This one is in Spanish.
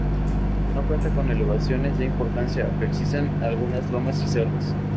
No cuenta con elevaciones de importancia aunque existen algunas lomas y cerros.